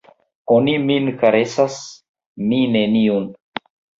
Oni min karesas, mi neniun!